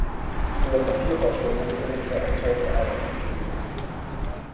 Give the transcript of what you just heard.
In der Papierherstellung sind ungefähr eintausend Arbeiter beschäftigt.